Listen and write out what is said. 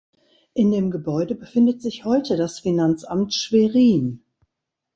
In dem Gebäude befindet sich heute das Finanzamt Schwerin.